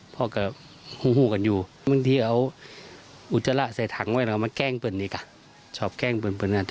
พ่อก็หุ้งกันอยู่บางทีเอาอุจจาระใส่ถังไว้แล้วมาแกล้งเป็นเนี่ยค่ะชอบแกล้งเป็นอาจจะ